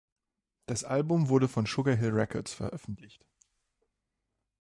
Das Album wurde von Sugar Hill Records veröffentlicht.